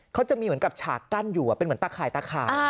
เขาจะมีเหมือนกับฉากกั้นอยู่เป็นเหมือนตะข่ายตะข่าย